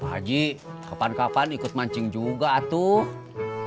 haji kapan kapan ikut mancing juga tuh